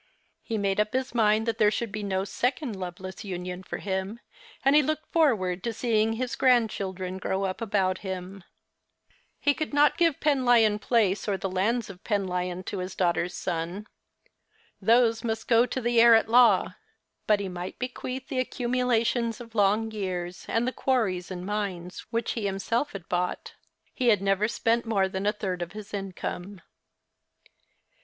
He made up his mind that there should be no second loveless union for him, and he looked forward to seeing his grandchildren grow up about him. He could not give Penlyon Place or the lands of Penlyon to his daughter's son. Those must go to the heir at law ; but he might bequeath the accumulations of long years, and the quarries and mines which he himself had bought. He had never spent more than a third of his income.